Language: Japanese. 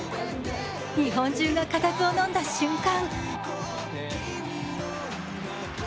日本中が固唾をのんだ瞬間